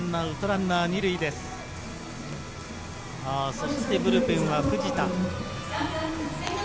そしてブルペンは藤田。